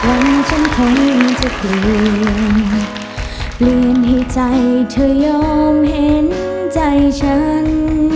ร้องได้ให้ร้าง